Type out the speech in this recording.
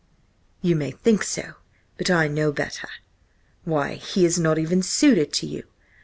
"You may think so, but I know better. Why, he is not even suited to you!